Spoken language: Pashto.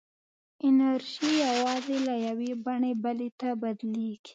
انرژي یوازې له یوې بڼې بلې ته بدلېږي.